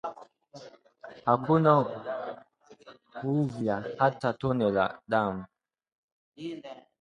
Hakuna kuavya hata tone la damu